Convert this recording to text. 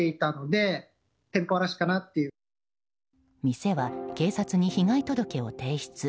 店は警察に被害届を提出。